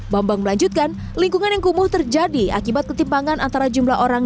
bambang melanjutkan lingkungan yang kumuh terjadi akibat ketimpangan antara jumlah orang